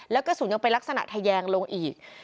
แล้วกระสุนยังเป็นลักษณะทะแยงลงอีก